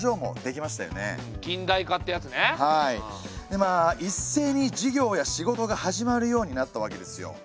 でまあ一斉に授業や仕事が始まるようになったわけですよ。